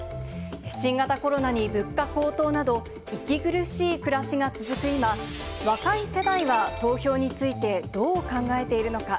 新型コロナに物価高騰など、息苦しい暮らしが続く今、若い世代は投票についてどう考えているのか。